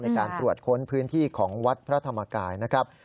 ในการตรวจค้นพื้นที่ของวัดพระธรรมกายนะครับ